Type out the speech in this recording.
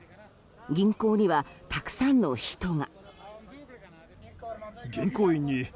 銀行にはたくさんの人が。